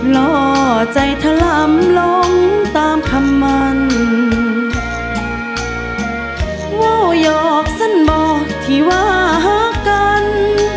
ล่อใจถล่ำลงตามคำมันว้าวหยอกสั้นบอกที่ว่าหากัน